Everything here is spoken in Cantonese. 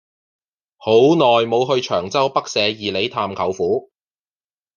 好耐無去長洲北社二里探舅父